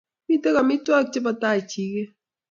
Mito amitwogik chebo tai chiget